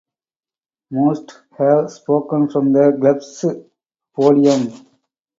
Most have spoken from the club's podium.